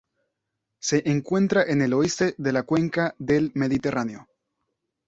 Se encuentra en el oeste de la Cuenca del Mediterráneo.